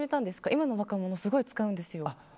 今の若者、すごい使うんですよ。